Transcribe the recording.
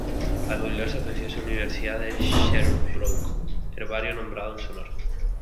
Al jubilarse, ofreció su a la Universidad de Sherbrooke, herbario nombrado en su honor.